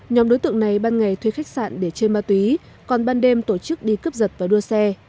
nhóm đối tượng này ban ngày thuê khách sạn để chơi ma túy còn ban đêm tổ chức đi cướp giật và đua xe